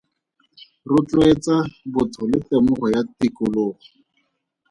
Rotloetsa botho le temogo ya tikologo.